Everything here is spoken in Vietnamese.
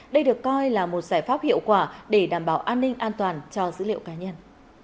đây được coi là một giải pháp hiệu quả để đảm bảo an ninh an toàn cho dữ liệu cá nhân